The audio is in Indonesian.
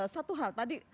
satu hal tadi